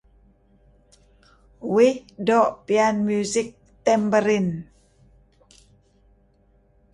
Uih doo' piyan music tambourine.